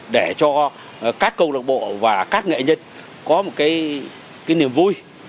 để cho các công lạc bộ và các nghệ nhân có một niềm vui